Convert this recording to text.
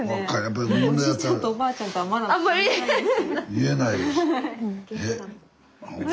見えないです。